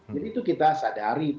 jadi itu kita sadari